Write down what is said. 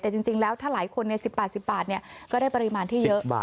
แต่จริงแล้วถ้าหลายคนใน๑๐๘๐บาทก็ได้ปริมาณที่เยอะ